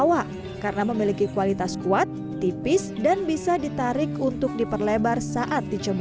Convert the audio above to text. baik lebih baik mereka keluar dengan dirog wallet va qui tam trip values bakal tutaj jadi